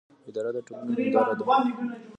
اداره د ټولنې هنداره ده